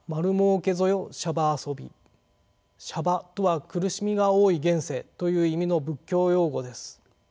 「娑婆」とは「苦しみが多い現世」という意味の仏教用語です。